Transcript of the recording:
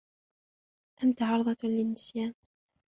أنت عرضة للنسيان.